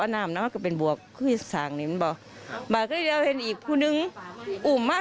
น้องหุงอุ่ม